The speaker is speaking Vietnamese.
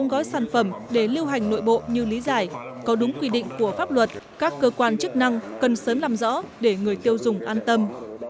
như lý giải có đúng quy định của pháp luật các cơ quan chức năng cần sớm làm rõ để người tiêu dùng an tâm